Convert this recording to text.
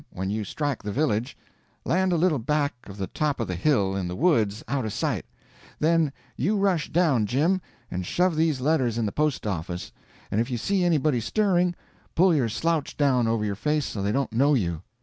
When you strike the village, land a little back of the top of the hill, in the woods, out of sight; then you rush down, Jim, and shove these letters in the post office, and if you see anybody stirring, pull your slouch down over your face so they won't know you.